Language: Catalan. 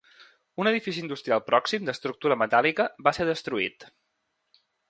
Un edifici industrial pròxim d'estructura metàl·lica va ser destruït.